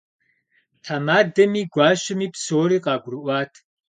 Тхьэмадэми гуащэми псори къагурыӏуат.